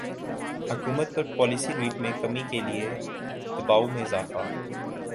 حکومت پر policy rate میں کمی کے لیے دبائو میں اضافہ